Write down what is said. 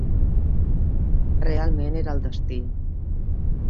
Realment era el destí.